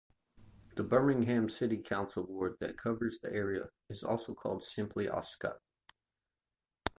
The Birmingham City Council ward that covers the area is called simply Oscott.